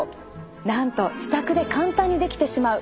なんと自宅で簡単にできてしまう。